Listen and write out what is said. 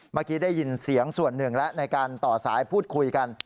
เมื่อกี้ได้ยินเสียงส่วนหนึ่งแล้วในการต่อสายพูดคุยกัน